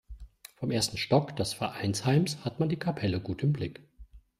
Vom ersten Stock des Vereinsheims hat man die Kapelle gut im Blick.